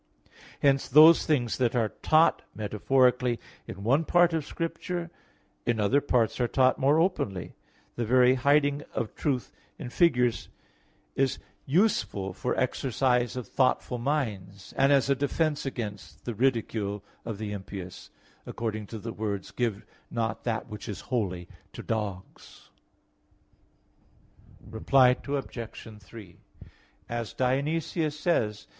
Hence those things that are taught metaphorically in one part of Scripture, in other parts are taught more openly. The very hiding of truth in figures is useful for the exercise of thoughtful minds and as a defense against the ridicule of the impious, according to the words "Give not that which is holy to dogs" (Matt. 7:6). Reply Obj. 3: As Dionysius says, (Coel.